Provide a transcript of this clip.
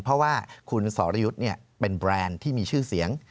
เพราะว่าคุณสอรยุทธ์เป็นแบรนด์ที่มีชื่อเสียง